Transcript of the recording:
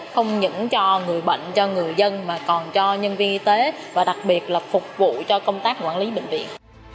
không những cho người bệnh cho người dân mà còn cho nhân viên y tế và đặc biệt là phục vụ cho công tác quản lý bệnh viện